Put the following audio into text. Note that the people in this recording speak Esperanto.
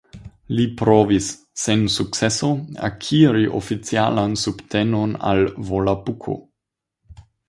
Li provis, sen sukceso, akiri oficialan subtenon al Volapuko.